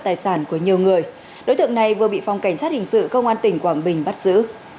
tài sản của nhiều người đối tượng này vừa bị phòng cảnh sát hình sự công an tỉnh quảng bình bắt giữ